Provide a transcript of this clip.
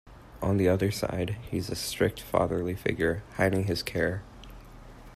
On the other side, he is a strict fatherly figure, hiding his care.